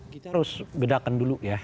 kita harus bedakan dulu ya